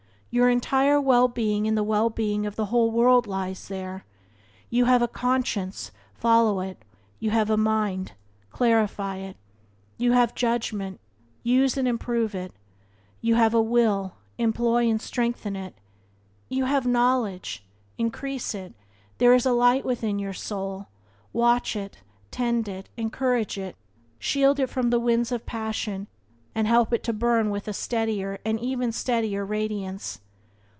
Your entire well being and the well being of the whole world lies there. You have a conscience, follow it; you have a mind, clarify it; you have a judgment, use and improve it; you have a will, employ and strengthen it; you have knowledge, increase it; there is a light within your soul, watch it, tend it, encourage it, shield it from the winds of passion, and help it to burn with a steadier and ever steadier radiance.